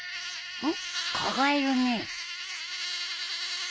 うん？